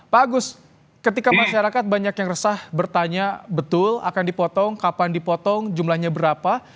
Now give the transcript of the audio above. pak agus ketika masyarakat banyak yang resah bertanya betul akan dipotong kapan dipotong jumlahnya berapa